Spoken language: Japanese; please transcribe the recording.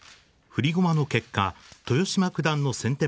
振り駒の結果、豊島九段の先手